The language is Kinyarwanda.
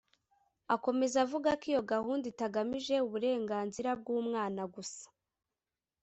Akomeza avuga ko iyo gahunda itagamije uburengenzira bw’umwana gusa